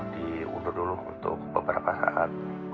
diundur dulu untuk beberapa saat